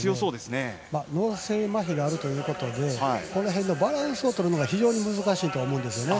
脳性まひがあるということでここら辺のバランスをとるのが非常に難しいと思います。